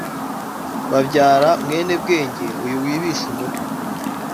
babyara mwenebwenge uyu wibisha umutwe